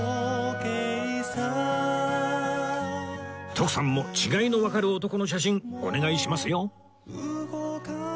徳さんも違いのわかる男の写真お願いしますよ